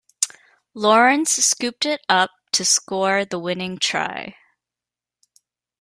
Lourens scooped it up to score the winning try.